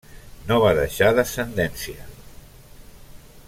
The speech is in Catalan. No va deixar descendència.